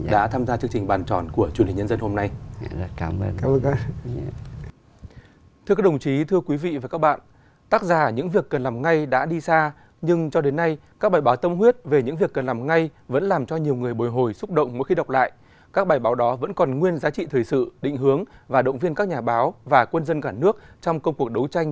đã tham gia chương trình bàn tròn của chuyển hình nhân dân hôm nay